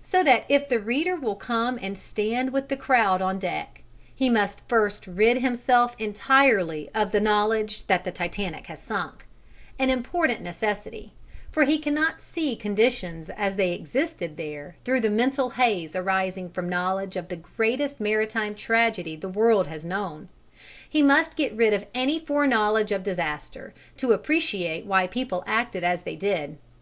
So that if the reader will come and stand with the crowd on deck, he must first rid himself entirely of the knowledge that the Titanic has sunk an important necessity, for he cannot see conditions as they existed there through the mental haze arising from knowledge of the greatest maritime tragedy the world has known: he must get rid of any foreknowledge of disaster to appreciate why people acted as they did.